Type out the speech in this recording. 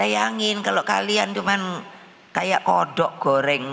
bayangin kalau kalian cuma kayak kodok goreng